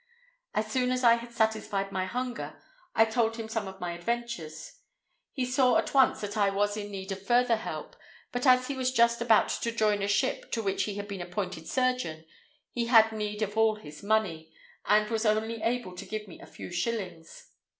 As soon as I had satisfied my hunger, I told him some of my adventures. He saw at once that I was in need of further help, but as he was just about to join a ship to which he had been appointed surgeon, he had need of all his money, and was only able to give me a few shillings.